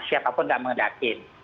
siapapun tidak mengedaki